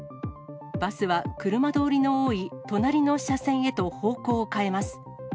バスは車通りの多い、隣の車線へと方向を変えます。